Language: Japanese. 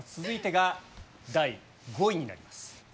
続いてが第５位になります。